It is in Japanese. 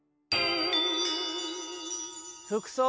「服装」。